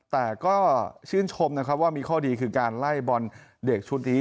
แต่ก็ชื่นชมนะครับว่ามีข้อดีคือการไล่บอลเด็กชุดนี้